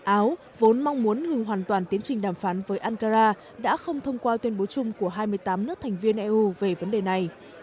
áo vốn mong muốn ngừng hoàn toàn tiến trình đàm phán với ankara đã không thông qua tuyên bố chung của hai mươi tám nước thành viên eu về vấn đề này